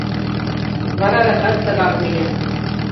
Вараракат тыгак лийын.